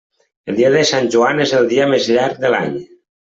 El dia de Sant Joan és el dia més llarg de l'any.